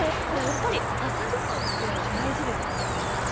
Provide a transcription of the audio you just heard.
やっぱり朝ごはんって大事ですか、井川さん。